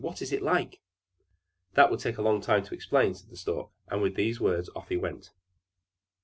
What is it like?" "That would take a long time to explain," said the Stork, and with these words off he went.